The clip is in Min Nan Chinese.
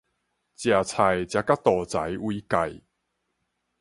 食菜食甲肚臍為界